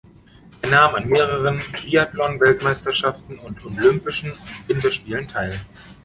Er nahm an mehreren Biathlon-Weltmeisterschaften und Olympischen Winterspielen teil.